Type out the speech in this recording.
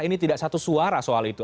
ini tidak satu suara soal itu